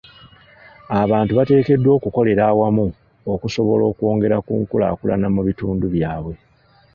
Abantu bateekeddwa okukolera awamu okusobola okwongera ku nkulaakulana mu bitundu byabwe.